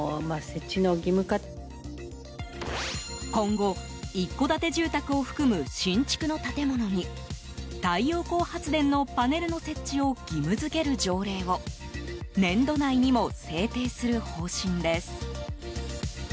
今後一戸建て住宅を含む新築の建物に太陽光発電のパネルの設置を義務付ける条例を年度内にも制定する方針です。